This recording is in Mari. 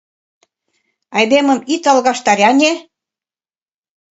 Айдемым ит алгаштаре, ане!